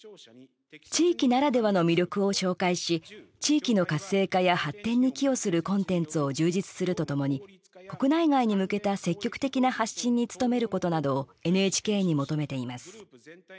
地域ならではの魅力を紹介し地域の活性化や発展に寄与するコンテンツを充実するとともに国内外に向けた積極的な発信に努めることなどをＮＨＫに求めています。